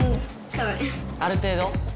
ある程度？